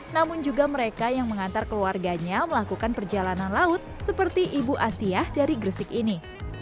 namun juga mereka yang mengantar keluarganya melakukan perjalanan laut seperti ibu asiah dari gresik ini